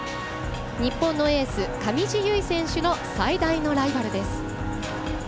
日本のエース、上地結衣選手の最大のライバルです。